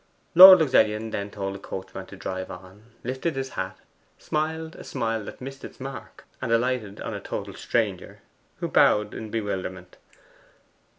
Lord Luxellian then told the coachman to drive on, lifted his hat, smiled a smile that missed its mark and alighted on a total stranger, who bowed in bewilderment.